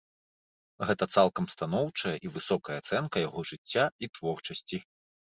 Гэта цалкам станоўчая і высокая ацэнка яго жыцця і творчасці.